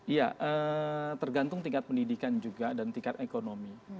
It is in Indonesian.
ya tergantung tingkat pendidikan juga dan tingkat ekonomi